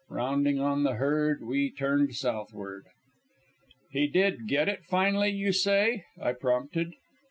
Rounding on the herd, we turned southward. "He did 'get it' finally, you say," I prompted.